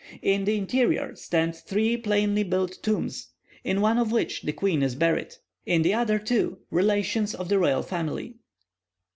In the interior stand three plainly built tombs, in one of which the queen is buried; in the other two, relations of the royal family.